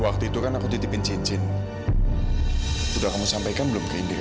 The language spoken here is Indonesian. waktu itu kan aku titipin cincin sudah kamu sampaikan belum ke indika